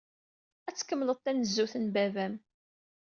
Ad tkemmled tanezzut n baba-m.